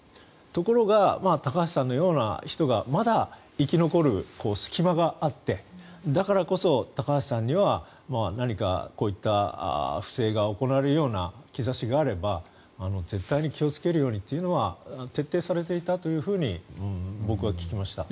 ところが、高橋さんのような人がまだ生き残る隙間があってだからこそ高橋さんには何かこういった不正が行われるような兆しがあれば、絶対に気をつけるようにというのは徹底されていたというふうに僕は聞きました。